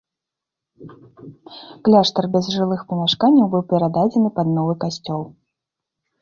Кляштар без жылых памяшканняў быў перададзены пад новы касцёл.